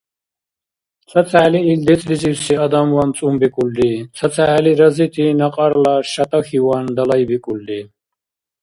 ЦацахӀели ил децӀлизивси адамван цӀумбикӀулри, цацахӀели разити накьрала шятӀахьиван далайбикӀулри.